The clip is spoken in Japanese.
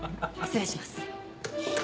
失礼します。